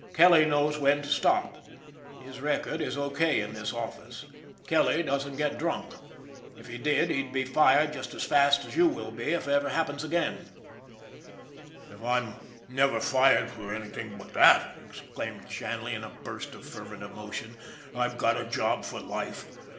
Kelly knows when to stop. His record is O. K. in this office. Kelly doesn't get drunk. If he did, he'd be fired just as fast as you will be if it ever happens again." SHANLEY'S LUCK 105 " If I'm never fired for anything but that," exclaimed Shanley in a burst of fervent emotion, " I've got a job for life.